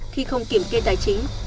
khi không kiểm kê tài chính